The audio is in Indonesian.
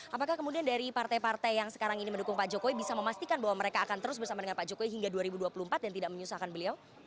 apakah kemudian dari partai partai yang sekarang ini mendukung pak jokowi bisa memastikan bahwa mereka akan terus bersama dengan pak jokowi hingga dua ribu dua puluh empat dan tidak menyusahkan beliau